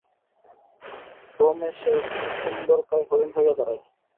ক্রমে সে একটি সুন্দরকায় হরিণ হইয়া দাঁড়াইল।